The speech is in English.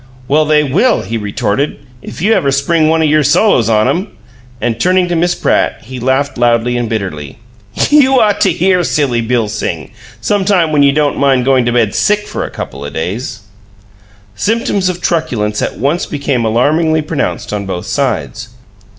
"Well, they will," he retorted, "if you ever spring one o' your solos on 'em!" And turning to Miss Pratt, he laughed loudly and bitterly. "You ought to hear Silly Bill sing some time when you don't mind goin' to bed sick for a couple o' days!" Symptoms of truculence at once became alarmingly pronounced on both sides.